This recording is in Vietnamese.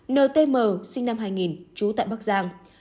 ntm sinh năm hai nghìn trú tại bắc giang